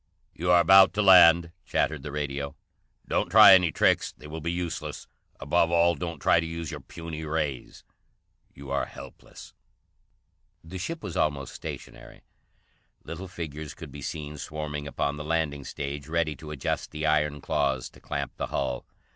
"You are about to land," chattered the radio. "Don't try any tricks; they will be useless. Above all, don't try to use your puny ray. You are helpless." The ship was almost stationary. Little figures could be seen swarming upon the landing stage, ready to adjust the iron claws to clamp the hull.